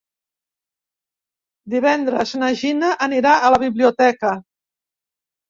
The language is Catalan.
Divendres na Gina anirà a la biblioteca.